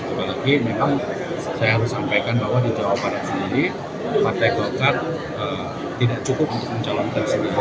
apalagi memang saya harus sampaikan bahwa di jawa barat sendiri partai gokart